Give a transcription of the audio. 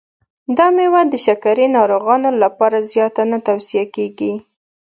دا مېوه د شکرې ناروغانو لپاره زیاته نه توصیه کېږي.